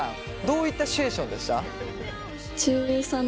どういったシチュエーションでした？